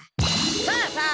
さあさあ